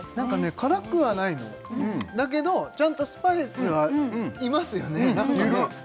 辛くはないのだけどちゃんとスパイスがいますよねうんいる！